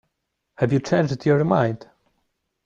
Have you changed your mind?